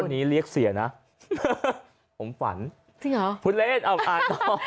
วันนี้เรียกเสียนะผมฝันจริงเหรอพูดเล่นเอาอ่านต่อ